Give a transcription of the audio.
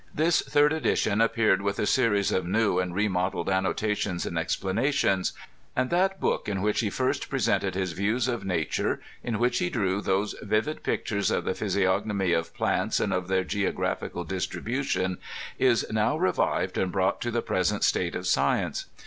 This third edition appeared with a series of new and remodeled annotations and explanations ; and that book in which he first presented his views of nature, in which he drew those vivid pictures of the physiognomy of plants and of their geographical distribution, is now revived and brought to the present state of science.